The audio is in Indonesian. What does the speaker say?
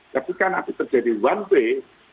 tapi kan nanti terjadi one way